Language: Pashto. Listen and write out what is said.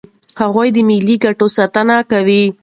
هغوی د ملي ګټو ساتنه کوي.